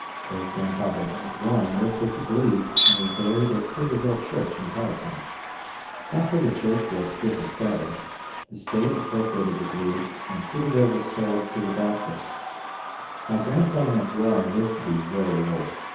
Great grandfather McLaurine lived at the glebe and is buried at Peterville Church in Powhatan. After the church was disestablished, the State appropriated the glebe, and Peterville was sold to the Baptists. My grandfather McLaurine lived to be very old.